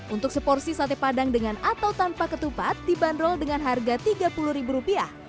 untuk seporsi sate padang dengan atau tanpa ketupat dibanderol dengan harga rp tiga puluh